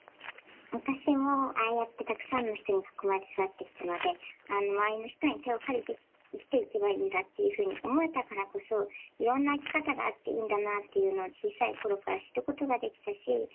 私もああやってたくさんの人に囲まれて育ってきたので周りの人に手を借りて生きていけばいいんだっていうふうに思えたからこそいろんな生き方があっていいんだなっていうのを小さい頃から知ることができたし。